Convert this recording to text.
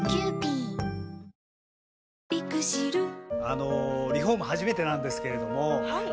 あのリフォーム初めてなんですけれどもはい。